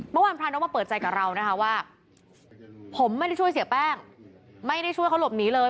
เมื่อวานพระนกมาเปิดใจกับเรานะคะว่าผมไม่ได้ช่วยเสียแป้งไม่ได้ช่วยเขาหลบหนีเลย